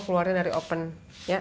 keluarin dari open ya